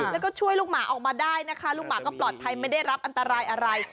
แล้วก็ช่วยลูกหมาออกมาได้นะคะลูกหมาก็ปลอดภัยไม่ได้รับอันตรายอะไร